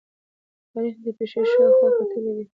تاریخ د پېښې شا او خوا کتلي شي.